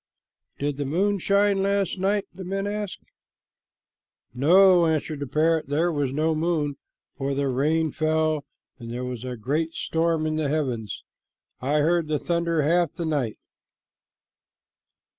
"Did the moon shine last night?" the men asked. "No," answered the parrot. "There was no moon, for the rain fell, and there was a great storm in the heavens. I heard the thunder half the night."